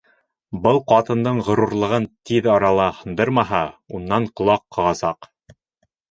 Был ҡатындың ғорурлығын тиҙ арала һындырмаһа, унан ҡолаҡ ҡағасаҡ.